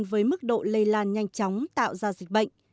với mức độ lây lan nhanh chóng tạo ra dịch bệnh